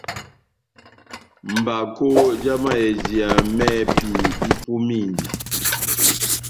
Mbakó já mayɛjiya mɛ́hɛ́pi ipumindi.